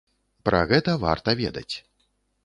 Пра гэта варта ведаць.